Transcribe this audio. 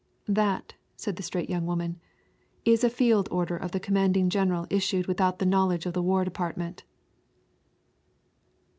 "That," said the straight young woman, "is a field order of the commanding general issued without the knowledge of the war department."